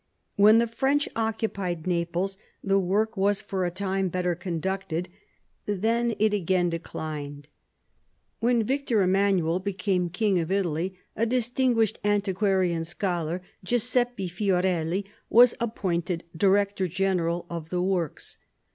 When the French occupied Naples, the work was for a time better conducted; then it again declined. When Victor Emmanuel became King of Italy, a distinguished antiquarian scholar, Guiseppe Fiorelli, was appointed director general of the works.